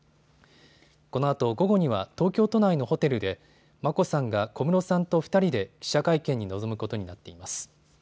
このあと午後には東京都内のホテルで眞子さんが小室さんと２人で記者会見に臨むことになっています。